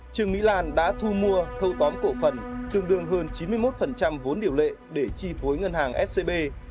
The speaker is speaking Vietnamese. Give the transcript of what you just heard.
trương mỹ lan đã thu mua thâu tóm cổ phần tương đương hơn chín mươi một vốn điều lệ để chi phối ngân hàng scb